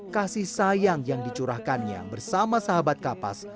kasih sayang yang dicurahkannya bersama sahabat kapas